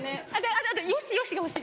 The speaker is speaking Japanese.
あと「よしよし」が欲しいです！